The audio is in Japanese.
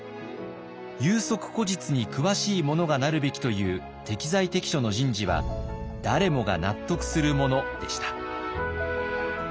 有職故実に詳しい者がなるべきという適材適所の人事は誰もが納得するものでした。